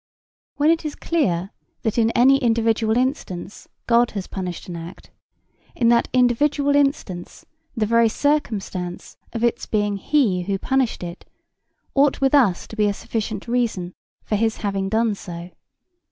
When it is clear that in any individual instance God has punished an act, in that individual instance the very circumstance of its being he who punished it ought with us to be a sufficient reason for his having done so.